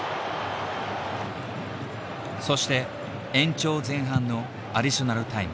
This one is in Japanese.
そして延長前半のアディショナルタイム。